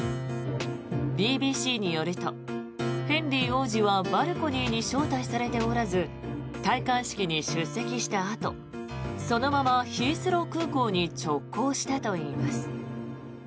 ＢＢＣによると、ヘンリー王子はバルコニーに招待されておらず戴冠式に出席したあとそのままヒースロー空港に直行したといいます。